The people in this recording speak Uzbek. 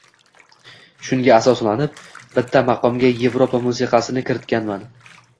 Shunga asoslanib, bitta maqomga yevropa musiqasini kiritganman.